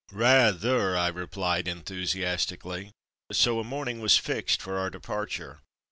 "Rather!'' I replied enthusiastically. So a morning was fixed for our departure.